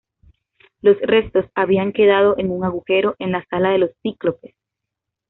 Los restos habían quedado en un agujero, en la Sala de los Cíclopes.